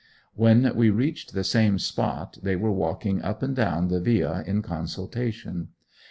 When we reached the same spot they were walking up and down the Via in consultation.